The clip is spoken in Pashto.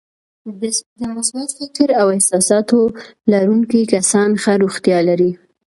د مثبت فکر او احساساتو لرونکي کسان ښه روغتیا لري.